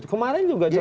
kemarin juga contoh